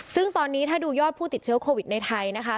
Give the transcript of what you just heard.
ซึ่งตอนนี้ถ้าดูยอดผู้ติดเชื้อโควิดในไทยนะคะ